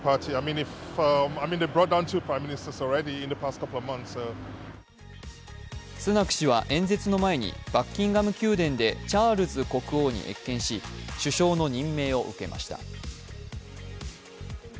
スナク氏は演説の前にバッキンガム宮殿でチャールズ国王に謁見し首相の任命を受けました。